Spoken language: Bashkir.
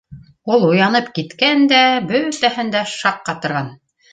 Ул уянып киткән дә, бөтәһен дә шаҡ ҡатырған.